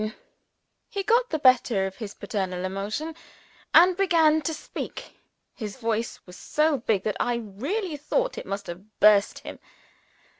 When he got the better of his paternal emotion, and began to speak, his voice was so big that I really thought it must have burst him.